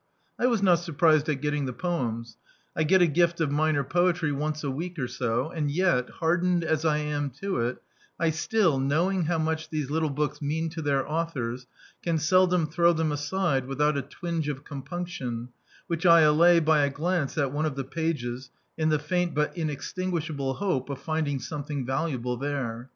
I was not surprised at getting the poems. I get a gift of minor poetry once a week or so; and yet, hardened as I am to it, I still, knowing how much these little books mean to their authors, can seldom throw them aside without a twinge of compunction which I allay by a glance at one of the pages in the faint but inextinguishable hope of finding something valuable there.